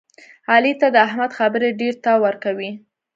علي ته د احمد خبرې ډېرتاو ورکوي.